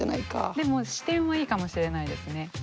でも視点はいいかもしれないですね。